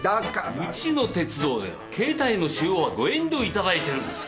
うちの鉄道では携帯の使用はご遠慮いただいてるんです。